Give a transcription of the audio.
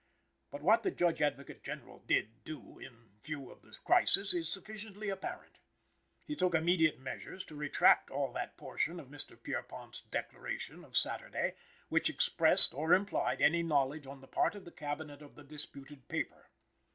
But what the Judge Advocate General did do, in view of the crisis, is sufficiently apparent. He took immediate measures to retract all that portion of Mr. Pierrepont's declaration of Saturday, which expressed or implied any knowledge on the part of the Cabinet of the disputed paper.